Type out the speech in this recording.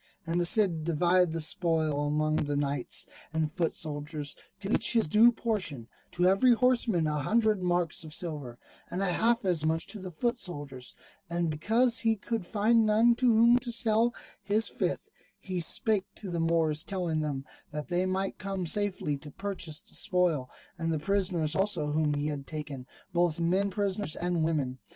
And the Cid divided the spoil among the knights and foot soldiers, to each his due portion; to every horseman a hundred marks of silver, and half as much to the foot soldiers: and because he could find none to whom to sell his fifth, he spake to the Moors telling them that they might come safely to purchase the spoil, and the prisoners also whom he had taken, both men prisoners and women.